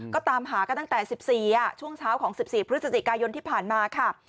ก็ตามหากันตั้งแต่๑๔ช่วงเช้าของ๑๔พฤศจิกายนที่ผ่านมาค่ะ